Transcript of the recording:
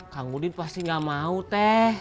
kang udin pasti gak mau teh